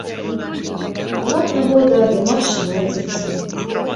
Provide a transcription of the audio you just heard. Была б нагода, а дэмарш знойдзецца.